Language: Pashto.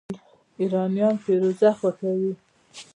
ایرانیان فیروزه خوښوي.